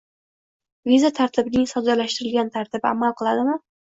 viza tartibining soddalashtirilgan tartibi amal qiladimi?